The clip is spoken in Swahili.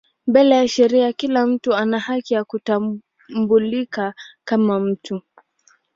Mbele ya sheria kila mtu ana haki ya kutambulika kama mtu.